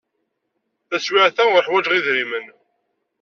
Taswiɛt-a, ur ḥwajeɣ idrimen.